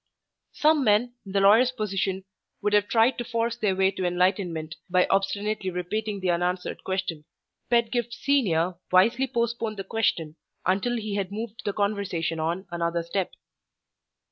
Some men in the lawyer's position would have tried to force their way to enlightenment by obstinately repeating the unanswered question. Pedgift Senior wisely postponed the question until he had moved the conversation on another step.